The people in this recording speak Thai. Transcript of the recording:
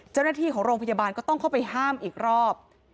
เจ้าหน้าที่ของโรงพยาบาลก็ต้องเข้าไปห้ามอีกรอบ